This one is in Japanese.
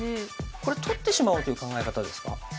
これ取ってしまおうという考え方ですか？